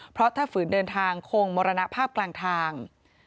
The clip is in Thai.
เพราะถ้าฝืนเดินทางคงมรณภาพกลางทาง